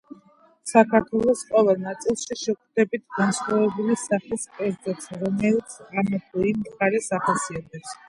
საქართველოს ყოველ ნაწილში შეხვდებით განსხვავებული სახის კერძებს, რომელიც ამა თუ იმ მხარეს ახასიათებს.